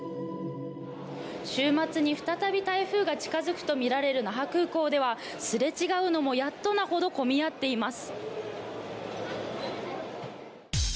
週末に再び台風が近づくとみられる那覇空港ではすれ違うのもやっとなほど混み合っています。